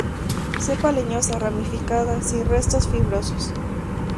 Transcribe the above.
Cepa leñosa, ramificada, sin restos fibrosos.